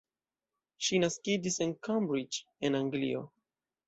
Ŝi naskiĝis en Cambridge en Anglio.